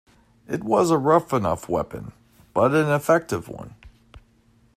It was a rough enough weapon, but an effective one.